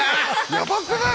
やばくない？